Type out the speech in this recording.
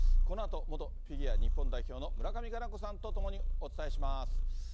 このあと、元フィギュア日本代表の村上佳菜子さんと共にお伝えします。